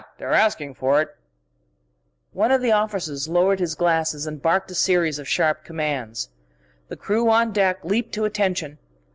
They're asking for it_!" One of the officers lowered his glasses and barked a series of sharp commands. The crew on deck leaped to attention.